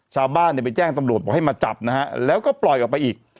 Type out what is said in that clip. ชาวบ้านเนี่ยไปแจ้งตำรวจบอกให้มาจับนะฮะแล้วก็ปล่อยออกไปอีก